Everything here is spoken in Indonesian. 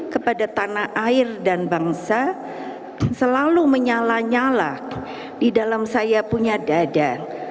kepada tanah air dan bangsa selalu menyala nyala di dalam saya punya dada